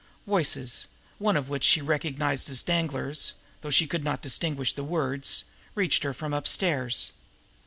Voices, one of which she recognized as Danglar's, though she could not distinguish the words, reached her from upstairs.